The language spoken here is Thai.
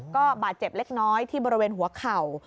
ก็บาดเจ็บเล็กน้อยที่บริเวณหัวเข่า